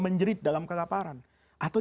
menjerit dalam kelaparan atau